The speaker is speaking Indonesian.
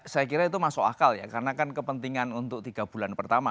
saya kira itu masuk akal ya karena kan kepentingan untuk tiga bulan pertama